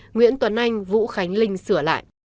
nguyễn tuấn anh vũ khánh linh sửa lại